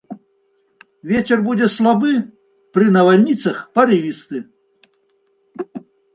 Вецер будзе слабы, пры навальніцах парывісты.